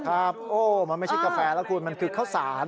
ครับโอ้มันไม่ใช่กาแฟแล้วคุณมันคือข้าวสาร